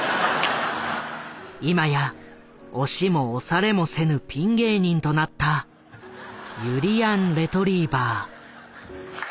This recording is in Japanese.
今や押しも押されもせぬピン芸人となったゆりやんレトリィバァ。